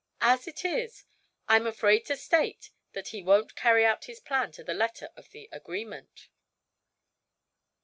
As it is, I'm afraid to state that he won't carry out his plan to the letter of the agreement."